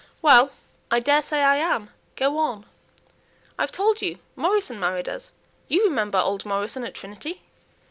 "Well, I daresay I am. Go on!" "I've told you Morrison married us. You remember old Morrison at Trinity?"